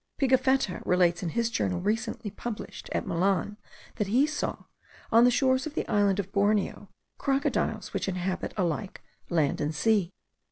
Pigafetta relates in his journal recently published at Milan that he saw, on the shores of the island of Borneo, crocodiles which inhabit alike land and sea.